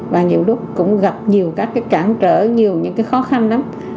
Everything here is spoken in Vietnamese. và nhiều lúc cũng gặp nhiều các cái cản trở nhiều những cái khó khăn lắm